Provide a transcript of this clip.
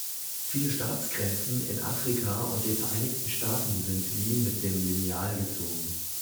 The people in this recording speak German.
Viele Staatsgrenzen in Afrika und den Vereinigten Staaten sind wie mit dem Lineal gezogen.